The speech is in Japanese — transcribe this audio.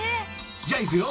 じゃあいくよ。